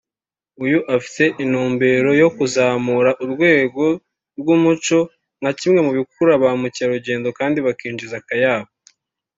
uyu anafite intumbero yo kuzamura urwego rw’umuco nka kimwe mu bikurura ba mukerarugendo kandi bikinjiza akayabo